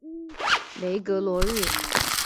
雷格罗日。